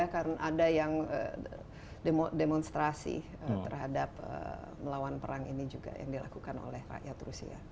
karena ada yang demonstrasi terhadap melawan perang ini juga yang dilakukan oleh rakyat rusia